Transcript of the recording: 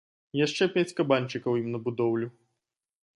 Яшчэ пяць кабанчыкаў ім на будоўлю.